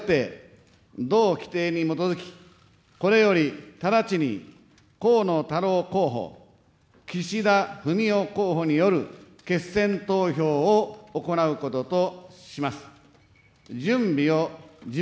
よって、同規程に基づき、これより直ちに、河野太郎候補、岸田文雄候補による決選投票を行うこととします。